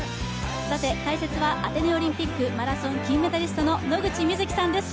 解説はアテネオリンピックマラソン金メダリストの野口みずきさんです。